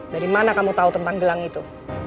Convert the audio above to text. dari mana kamu tahu tentang gelang itu